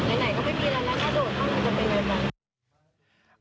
แล้วถ้ากระโดดตามต้องจะกระโดดมั้ย